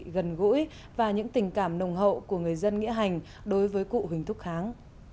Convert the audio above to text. gần gũi và những tình cảm nồng hậu của người dân nghĩa hành đối với cụ huỳnh thúc kháng